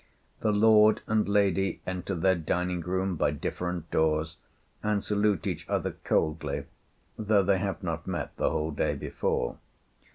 The lord and lady enter their dining room by different doors, and salute each other coldly, though they have not met the whole day before.